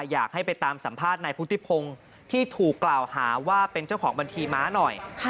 อยากให้ไปตามสัมภาษณ์นายพุทธิพงศ์ที่ถูกกล่าวหาว่าเป็นเจ้าของบัญชีม้าหน่อย